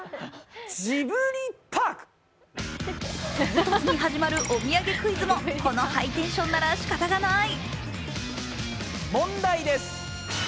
唐突に始まるお土産クイズもこのハイテンションならしかたがない。